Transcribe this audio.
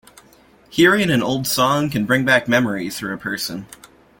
Hearing an old song can bring back memories for a person.